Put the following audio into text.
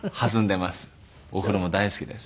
お風呂も大好きです。